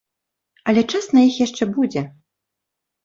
Але час на іх яшчэ будзе.